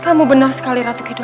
kamu benar sekali ratu kita